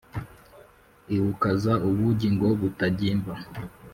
Iwukaza ubugi ngo butagimba!